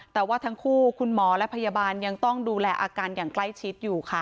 แต่ว่าทั้งคู่คุณหมอและพยาบาลยังต้องดูแลอาการอย่างใกล้ชิดอยู่ค่ะ